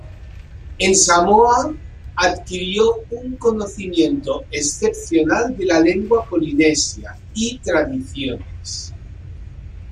En Samoa, adquirió un conocimiento excepcional de la lengua polinesia y tradiciones.